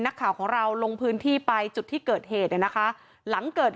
นักข่าวของเราลงพื้นที่ไปจุดที่เกิดเหตุเนี่ยนะคะหลังเกิด